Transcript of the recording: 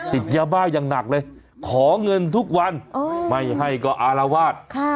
ติดยาบ้าอย่างหนักเลยขอเงินทุกวันไม่ให้ก็อารวาส